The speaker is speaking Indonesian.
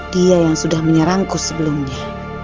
dia yang sudah menyerangkus sebelumnya